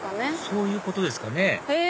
そういうことですかね